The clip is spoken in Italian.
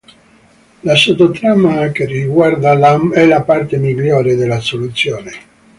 La sottotrama che riguarda Lamb è la parte migliore della soluzione.